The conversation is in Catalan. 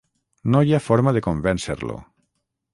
No hi ha forma de convèncer-lo.